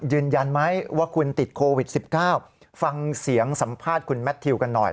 ยืนยันไหมว่าคุณติดโควิด๑๙ฟังเสียงสัมภาษณ์คุณแมททิวกันหน่อย